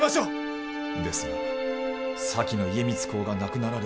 ですが先の家光公が亡くなられ。